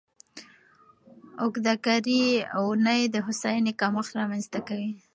اوږده کاري اونۍ د هوساینې کمښت رامنځته کوي.